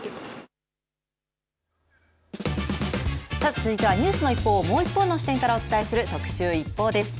続いてはニュースの一報をもう一方の視点からお伝えする特集ＩＰＰＯＵです。